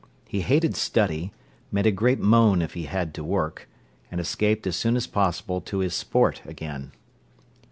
He hated study, made a great moan if he had to work, and escaped as soon as possible to his sport again.